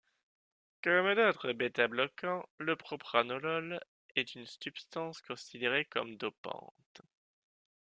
Comme d'autres bêta-bloquants, le propranolol est une substance considérée comme dopante.